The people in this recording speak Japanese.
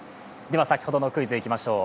先ほどのクイズいきましょう。